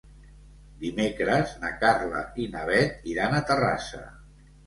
Dimecres na Carla i na Bet iran a Terrassa.